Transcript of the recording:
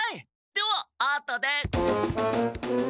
ではあとで！